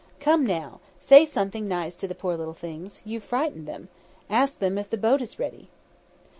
"Come now, say something nice to the poor little things. You've frightened them. Ask them if the boat is ready."